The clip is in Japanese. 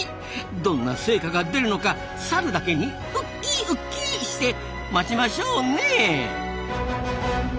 どんな成果が出るのかサルだけにウッキーウッキーして待ちましょうね。